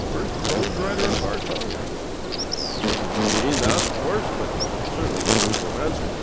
The first prose writer of our time — ^I don't quite mean that, of course, but certainly the first Bomancer.